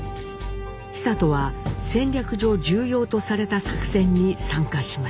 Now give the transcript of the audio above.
久渡は戦略上重要とされた作戦に参加しました。